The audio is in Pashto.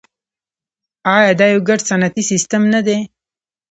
آیا دا یو ګډ صنعتي سیستم نه دی؟